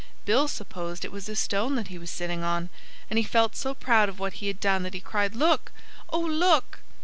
Bill supposed it was a stone that he was sitting on. And he felt so proud of what he had done that he cried, "Look! Oh, look!"